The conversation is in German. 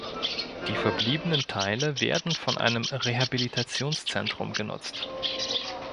Die verbliebenen Teile werden von einem Rehabilitationszentrum genutzt.